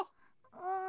うん。